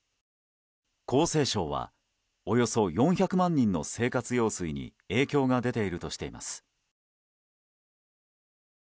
江西省はおよそ４００万人の生活用水に影響が出ているとしています。